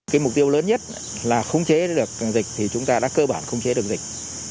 cái mục tiêu lớn nhất là khống chế được dịch thì chúng ta đã cơ bản khống chế được dịch